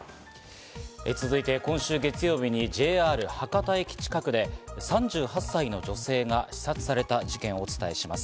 続いて今週月曜日にＪＲ博多駅近くで３８歳の女性が刺殺された事件、お伝えします。